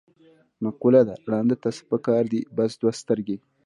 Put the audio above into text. مقوله ده: ړانده ته څه په کار دي، بس دوه سترګې.